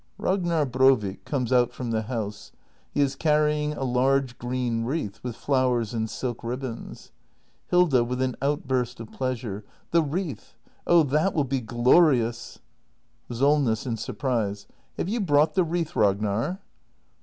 Ragnar Brovik comes out from the house. He is carry ing a large, green wreath with flowers and silk ribbons. Hilda. [With an outburst of pleasure.] The wreath ! Oh, that will be glorious! SOLNESS. [In surprise.] Have you brought the wreath, Rag nar?